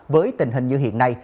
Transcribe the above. với tình hình như hiện nay